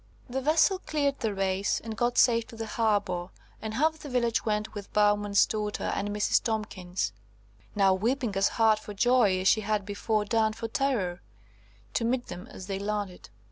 The vessel cleared the "race," and got safe to the harbour, and half the village went with Bowman's daughter and Mrs. Tomkins (now weeping as hard for joy as she had before done for terror), to meet them as they landed.